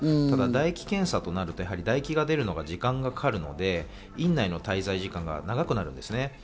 ただ唾液検査となると唾液が出るのが時間がかかるので院内の滞在時間が長くなるんですね。